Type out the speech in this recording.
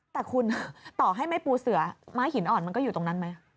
แต่คุณต่อให้ไม่ปูเสือม้าหินอ่อนมันก็อยู่ตรงนั้นไหม